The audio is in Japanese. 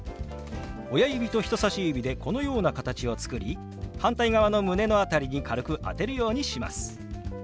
親指と人さし指でこのような形を作り反対側の胸の辺りに軽く当てるようにします。